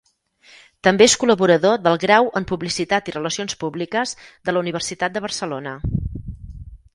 També és col·laborador del grau en Publicitat i Relacions Públiques de la Universitat de Barcelona.